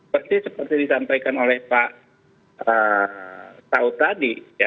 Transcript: jadi seperti disampaikan oleh pak tau tadi